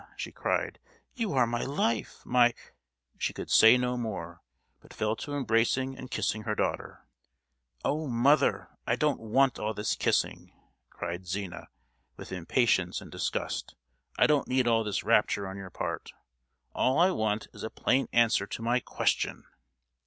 she cried; "you are my life, my——" She could say no more, but fell to embracing and kissing her daughter. "Oh, mother, I don't want all this kissing!" cried Zina, with impatience and disgust. "I don't need all this rapture on your part; all I want is a plain answer to my question!"